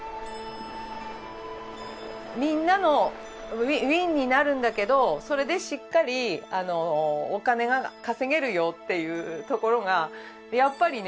みんなのＷＩＮになるんだけどそれでしっかりお金が稼げるよっていうところがやっぱりね